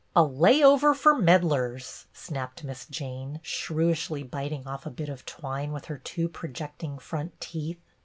" A layover for meddlers," snapped Miss Jane, shrewishly biting off a bit of twine with her two projecting front teeth.